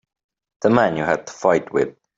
The man you had the fight with.